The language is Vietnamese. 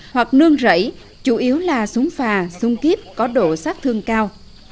hoặc nương rẫy chủ yếu là súng phà súng kíp có độ sát thương cao